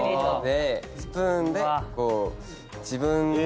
・スプーンでこう自分で。